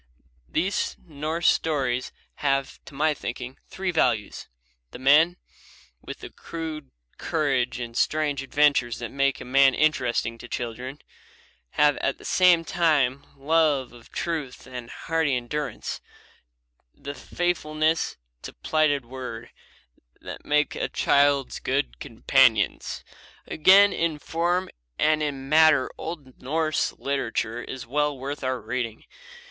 These Norse stories have, to my thinking, three values. The men, with the crude courage and the strange adventures that make a man interesting to children, have at the same time the love of truth, the hardy endurance, the faithfulness to plighted word, that make them a child's fit companions. Again, in form and in matter old Norse literature is well worth our reading.